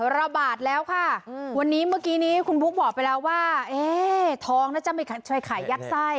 ระบาดแล้วค่ะวันนี้เมื่อกี้นี้คุณบุ๊คบอกไปแล้วว่าทองน่าจะไม่เคยขายยักษ์ไส้